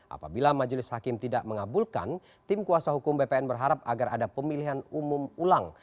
apabila majelis hakim tidak mengabulkan tim kuasa hukum bpn berharap agar ada pemilihan umum ulang